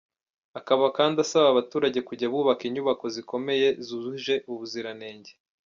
Akaba kandi asaba abaturage kujya bubaka inyubako zikomeye zujuje ubuziranenge.